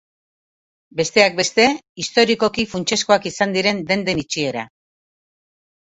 Besteak beste, historikoki funtsezkoak izan diren denden itxiera.